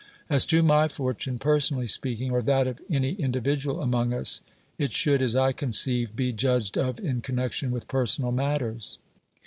As to my fortune (personally speaking) or that of any in dividual among us, it should, as I conceive, be judged of in connection with personal matters.